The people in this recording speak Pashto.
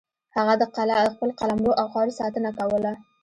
هغه د خپل قلمرو او خاورې ساتنه کوله.